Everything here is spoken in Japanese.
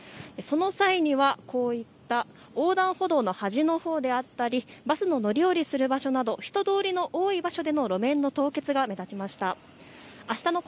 その際にはこういった横断歩道の端のほうであったりバスの乗り降りする場所など人通りの多い場所でも路面の凍結が目立ちました。